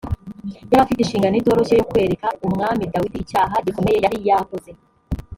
yari afite inshingano itoroshye yo kwereka umwami dawidi icyaha gikomeye yari yakoze